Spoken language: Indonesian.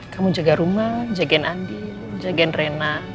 kamu jaga rumah jagain andi jagen rena